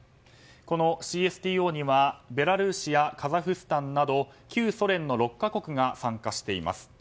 このＣＳＴＯにはベラルーシやカザフスタンなど旧ソ連の６か国が参加しています。